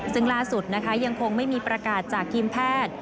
ซึ่งล่าสุดนะคะยังคงไม่มีประกาศจากทีมแพทย์